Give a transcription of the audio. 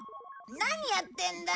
何やってんだ。